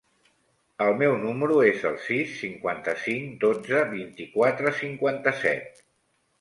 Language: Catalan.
El meu número es el sis, cinquanta-cinc, dotze, vint-i-quatre, cinquanta-set.